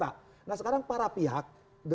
atau huruf d